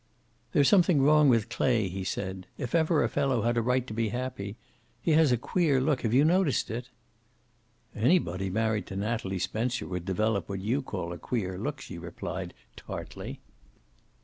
"There's something wrong with Clay," he said. "If ever a fellow had a right to be happy he has a queer look. Have you noticed it?" "Anybody married to Natalie Spencer would develop what you call a queer look," she replied, tartly.